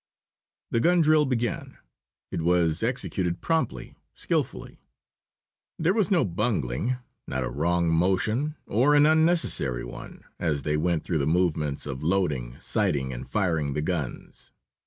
The gun drill began. It was executed promptly, skilfully. There was no bungling, not a wrong motion or an unnecessary one, as they went through the movements of loading, sighting and firing the guns.